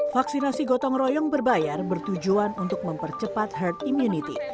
vaksinasi gotong royong berbayar bertujuan untuk mempercepat herd immunity